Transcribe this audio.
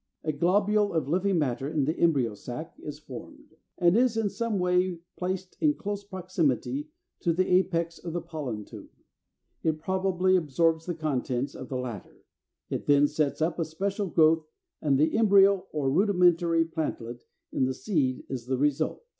= A globule of living matter in the embryo sac is formed, and is in some way placed in close proximity to the apex of the pollen tube; it probably absorbs the contents of the latter; it then sets up a special growth, and the Embryo (8 10) or rudimentary plantlet in the seed is the result.